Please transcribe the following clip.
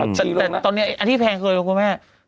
แต่ตอนนี้อันที่แพงเคยรู้คุณแม่